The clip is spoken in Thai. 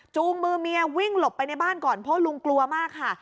มือเมียวิ่งหลบไปในบ้านก่อนเพราะลุงกลัวมากค่ะ